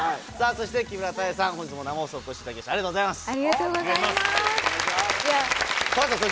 そして木村多江さん、本日も生放送お越しいただき、ありがとうございます。